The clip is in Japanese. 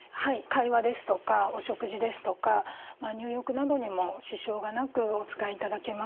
会話ですとかお食事ですとか入浴などにも支障がなくお使いいただけます。